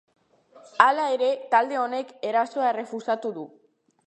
Hala ere, talde honek erasoa errefusatu du.